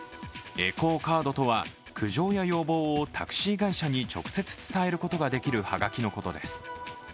エコーカードとは苦情や要望をタクシー会社に直接伝えることができる葉書のことです。